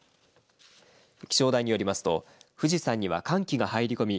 気象台によりますと富士山では寒気が入り込み